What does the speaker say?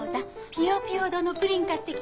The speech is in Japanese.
ピヨピヨ堂のプリン買ってきたの。